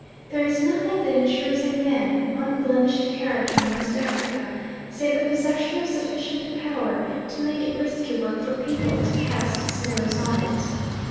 There is nothing that ensures a man an unblemished character in West Africa, save the possession of sufficient power to make it risky work for people to cast slurs on it.